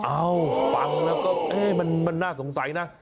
อ้าวฟังแล้วก็มันน่าสงสัยนะ